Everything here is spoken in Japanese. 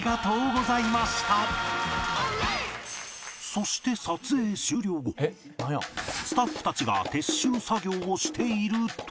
そしてスタッフたちが撤収作業をしていると